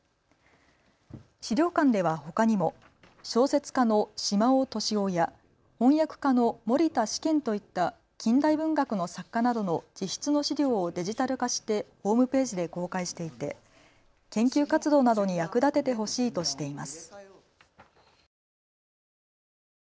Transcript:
資料館ではほかにも小説家の島尾敏雄や翻訳家の森田思軒といった近代文学の作家などの自筆の資料をデジタル化してホームページで公開していて研究活動などに役立ててほしいとしています。